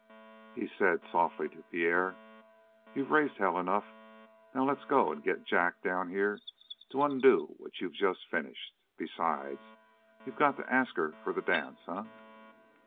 He said softly to Pierre: "You've raised hell enough. Now let's go and get Jack down here to undo what you've just finished. Besides, you've got to ask her for that dance, eh?"